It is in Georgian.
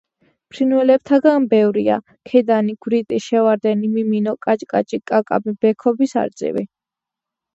ფრინველთაგან ბევრია: ქედანი, გვრიტი, შევარდენი, მიმინო, კაჭკაჭი, კაკაბი, ბექობის არწივი.